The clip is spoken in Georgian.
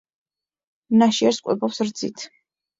ნაშიერს კვებავს რძით.